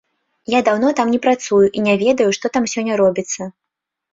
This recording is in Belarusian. Я даўно там не працую і не ведаю, што там сёння робіцца.